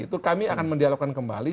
itu kami akan mendialogkan kembali